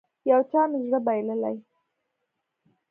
يو چا مې زړه بايللی.